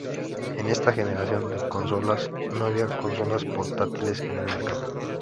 En esta generación de consolas no había consolas portátiles en el mercado.